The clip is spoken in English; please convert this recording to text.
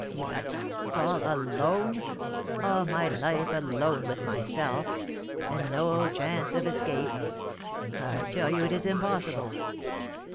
What, all alone! all my life alone with myself, and no chance of escape! I tell you it is impossible.